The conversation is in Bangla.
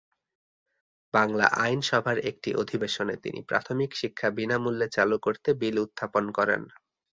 বাংলা আইন সভার একটি অধিবেশনে তিনি প্রাথমিক শিক্ষা বিনামূল্যে চালু করতে বিল উত্থাপন করেন।